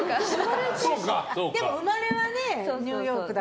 でも生まれはねニューヨークだから。